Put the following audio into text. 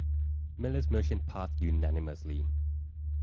Miller's motion passed unanimously.